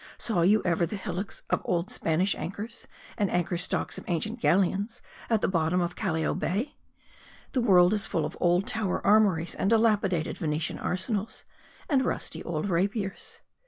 Saw you ever the hillocks of old Spanish anchors, and anchor stocks of ancient galleons, at the bottom of Callao Bay ? The world is full of old Tower armories, and dilapidated Venetian arsenals, and rusty old rapiers.